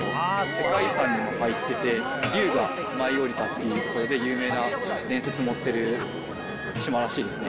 世界遺産にも入ってて、龍が舞い降りたっていうところで有名な伝説持ってる島らしいですね。